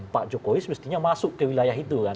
pak jokowi semestinya masuk ke wilayah itu kan